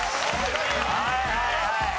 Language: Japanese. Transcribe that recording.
はいはいはい。